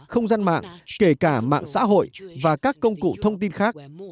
không gian mạng kể cả mạng xã hội và các công cụ thông tin khác